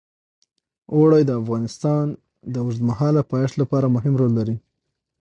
اوړي د افغانستان د اوږدمهاله پایښت لپاره مهم رول لري.